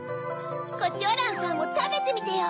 コチョウランさんもたべてみてよ。